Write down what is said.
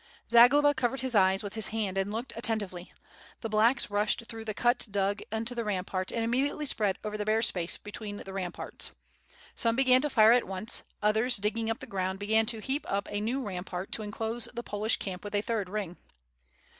Zagloba covered his eyes with his hand and looked atten tively. The blacks rushed through the cut dug into the ram part and immediately spread over the bare space between the ramparts. Some began to fire at once, others, digging up the ground, began to heap up a new rampart to enclose the Polish camp with a third ring.